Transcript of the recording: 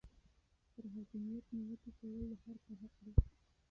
پر حاکمیت نیوکې کول د هر چا حق دی.